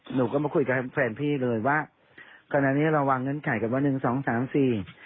หนูก็มาคุยกับแฟนพี่เลยว่าขณะนี้เราวางเงื่อนไขกันว่าหนึ่งสองสามสี่